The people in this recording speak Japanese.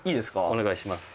お願いします。